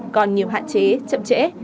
còn nhiều hạn chế chậm trễ